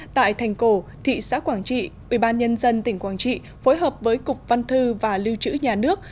tại thành cổ thị xã quảng trị ubnd tỉnh quảng trị phối hợp với cục văn thư và lưu trữ nhà nước